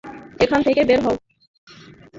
এখান থেকে বের হও!